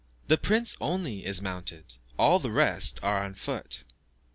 The prince only is mounted, all the rest are on foot.